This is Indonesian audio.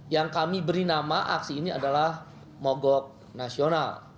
yang kami beri nama aksi ini adalah mogok nasional